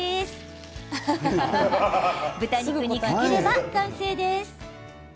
豚肉にかければ、完成です。